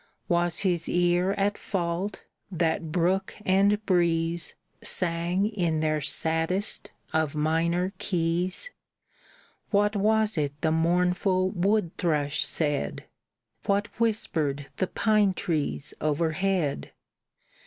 Was his ear at fault that brook and breeze Sang in their saddest of minor keys? What was it the mournful wood thrush said? What whispered the pine trees overhead?